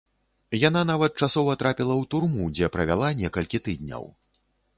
Яна нават часова трапіла ў турму, дзе правяла некалькі тыдняў.